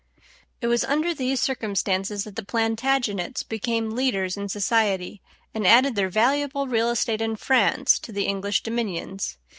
] It was under these circumstances that the Plantagenets became leaders in society, and added their valuable real estate in France to the English dominions.